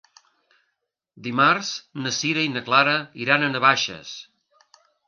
Dimarts na Sira i na Clara iran a Navaixes.